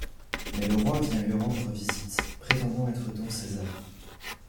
Mais le roi vient lui rendre visite, prétendant être Don César.